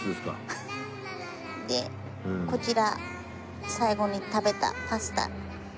でこちら最後に食べたパスタ。